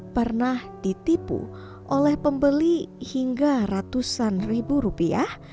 pernah ditipu oleh pembeli hingga ratusan ribu rupiah